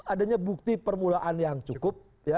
adanya bukti permulaan yang cukup